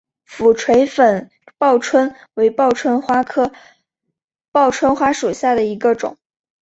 俯垂粉报春为报春花科报春花属下的一个种。